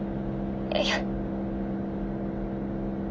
いや。